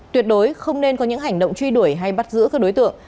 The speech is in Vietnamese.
tuyệt đối không nên có những hành động truy đuổi hay bắt giữ các đối tượng